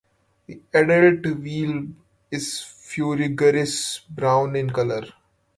Adult weevil is ferruginous brown in color.